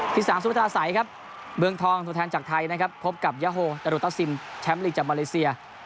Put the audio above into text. ที่สามสุธาสัยครับเมืองทองตัวแทนจากไทยนะครับพบกับยาโฮดารุต้าซิมแชมป์ลีกจากมาเลเซีย